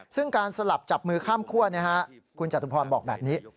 ซึ่งการสลับจับมือข้ามคั่วคุณจตุพรบอกแบบนี้